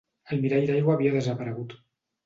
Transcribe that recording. El mirall d'aigua havia desaparegut.